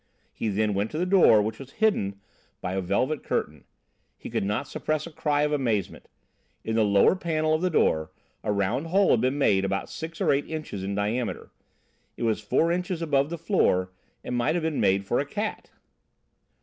He then went to the door which was hidden by a velvet curtain. He could not suppress a cry of amazement. In the lower panel of the door a round hole had been made about six or eight inches in diameter. It was four inches above the floor, and might have been made for a cat.